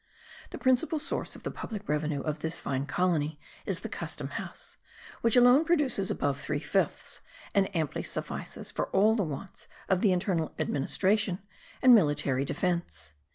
The principal source of the public revenue of this fine colony is the custom house, which alone produces above three fifths, and amply suffices for all the wants of the internal administration and military defence.